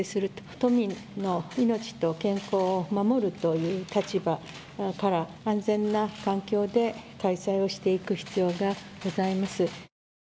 都民の命と健康を守るという立場から安全な環境で開催をしていく必要がございます。